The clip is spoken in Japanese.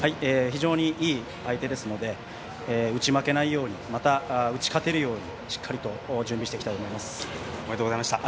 非常にいい相手ですので打ち負けないようにまた、打ち勝てるようにしっかりと準備していきたいとおめでとうございました。